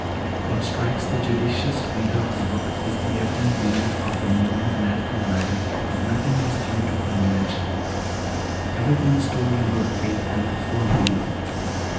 What strikes the judicious reader of the book is the evident belief of the more than fanatical writer that nothing is due to her invention; everything is told in good faith and with full belief.